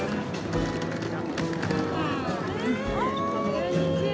こんにちは。